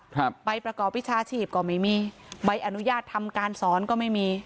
ใบประกอบวิชาชีพก็ไม่มีใบอนุญาตทำการสอนก็ไม่มี